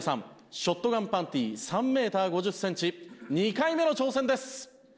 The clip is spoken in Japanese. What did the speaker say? ショットガンパンティ３メーター５０センチ２回目の挑戦です。